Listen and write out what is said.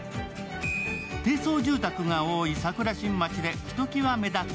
低層住宅が多い桜新町でひときわ目立つ